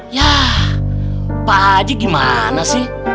ya pak haji gimana sih